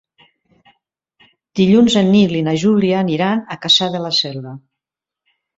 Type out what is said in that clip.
Dilluns en Nil i na Júlia aniran a Cassà de la Selva.